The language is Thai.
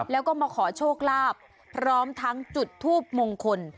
แล้วก็มาขอโชคลาภพร้อมทั้งจุดทูปมงคล